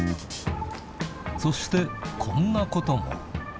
そして、こんなことも。